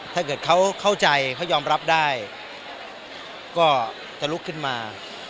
ถ้าเกิดเขาเข้าใจเขายอมรับได้ก็จะลุกขึ้นมา